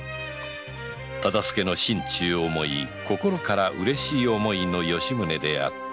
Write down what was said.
忠相の心中を思い心から嬉しい思いの吉宗であった